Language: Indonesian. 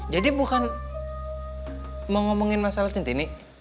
jadi bukan mau ngomongin masalah cinti ini